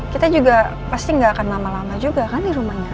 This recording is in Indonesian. kita juga pasti nggak akan lama lama juga kan di rumahnya